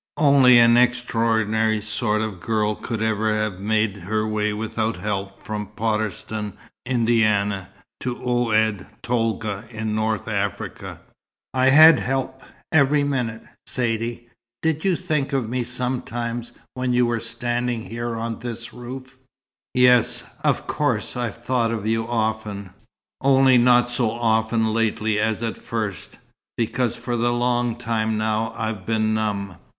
Only an extraordinary sort of girl could ever have made her way without help from Potterston, Indiana, to Oued Tolga in North Africa." "I had help every minute. Saidee did you think of me sometimes, when you were standing here on this roof?" "Yes, of course I thought of you often only not so often lately as at first, because for a long time now I've been numb.